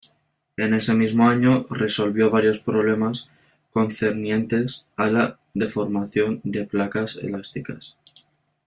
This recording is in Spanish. En ese mismo año, resolvió varios problemas concernientes a la deformación de placas elásticas.